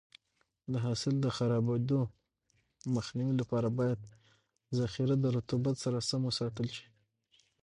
د حاصل د خرابېدو مخنیوي لپاره باید ذخیره د رطوبت سره سم وساتل شي.